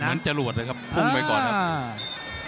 เหมือนจรวดเลยครับพุ่งไปก่อนครับ